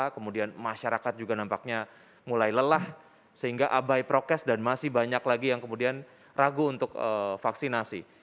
kemudian masyarakat juga nampaknya mulai lelah sehingga abai prokes dan masih banyak lagi yang kemudian ragu untuk vaksinasi